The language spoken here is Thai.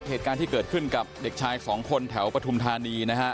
เหตุการณ์ที่เกิดขึ้นกับเด็กชายสองคนแถวปฐุมธานีนะฮะ